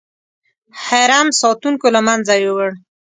حرم ساتونکو له منځه یووړ.